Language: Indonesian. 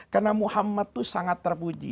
karena muhammad itu sangat terpuji